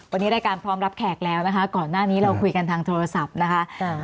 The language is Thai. วันนี้รายการพร้อมรับแขกแล้วนะคะก่อนหน้านี้เราคุยกันทางโทรศัพท์นะคะ